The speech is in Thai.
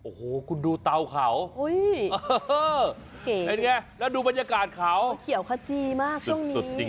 โอ้โหคุณดูเตาเขาเป็นไงแล้วดูบรรยากาศเขาเขียวขจีมากช่วงนี้สุดจริง